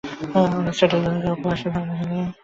অনেক ছেলে জুটিয়াছিল, অপু আসিবার আগেই খেলা সাঙ্গ হইয়া গিয়াছে।